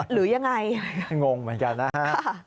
หรือยังไงงงแม้กันนะฮะ